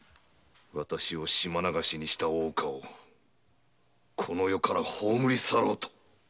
私を“島流し”にした大岡をこの世から葬り去ろうと！